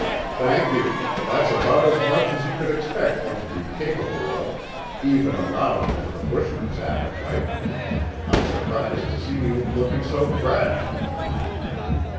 "Thank you. That's about as much as you could expect one to be capable of, even allowing for the bushman's appetite. I'm surprised to see you looking so fresh."